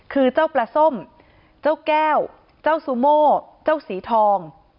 คือเจ้าปลาส้มเจ้าแก้วเจ้าซูโม่เจ้าสีทอง